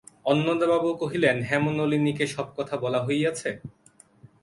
অন্নদাবাবু কহিলেন, হেমনলিনীকে সব কথা বলা হইয়াছে?